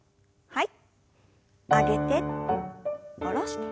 はい。